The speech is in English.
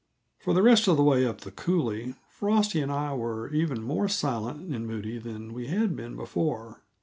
For the rest of the way up that coulée Frosty and I were even more silent and moody than we had been before.